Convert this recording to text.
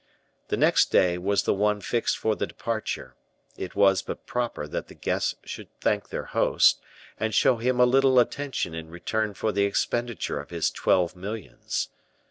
The next day was the one fixed for the departure; it was but proper that the guests should thank their host, and show him a little attention in return for the expenditure of his twelve millions.